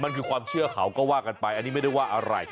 มันคือความเชื่อเขาก็ว่ากันไปอันนี้ไม่ได้ว่าอะไร